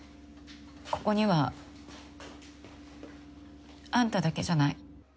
ここにはあんただけじゃない。